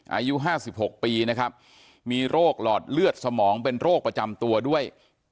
อายุ๕๖ปีนะครับมีโรคหลอดเลือดสมองเป็นโรคประจำตัวด้วย